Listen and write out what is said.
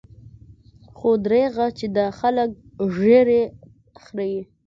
خو درېغه چې دا خلق ږيرې خريي.